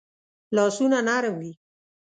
لاسونه نرم وي